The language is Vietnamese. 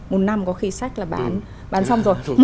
một năm có khi sách là bán xong rồi